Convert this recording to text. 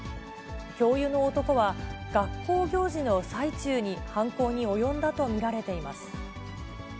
教諭の男は、学校行事の最中に犯行に及んだと見られています。